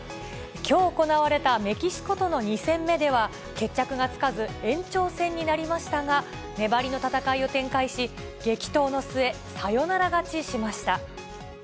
きょう行われたメキシコとの２戦目では、決着がつかず、延長戦になりましたが、粘りの戦いを展開し、激闘の末、サヨナラ勝ちしました。